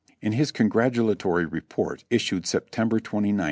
In his congratulatory report issued September 29th, 1862.